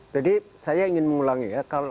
jadi saya ingin mengulangi ya